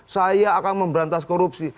saya akan memberantas korupsi